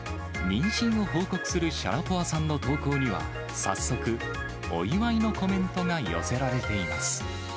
妊娠を報告するシャラポワさんの投稿には、早速、お祝いのコメントが寄せられています。